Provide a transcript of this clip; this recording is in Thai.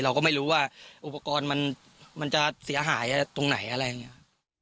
เราก็ไม่รู้ว่าอุปกรณ์มันจะเสียหายอะไรตรงไหนอะไรอย่างนี้